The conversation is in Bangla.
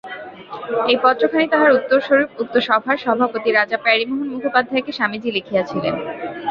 এই পত্রখানি তাহার উত্তরস্বরূপ উক্ত সভার সভাপতি রাজা প্যারিমোহন মুখোপাধ্যায়কে স্বামীজী লিখিয়াছিলেন।